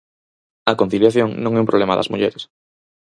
A conciliación non é un problema das mulleres.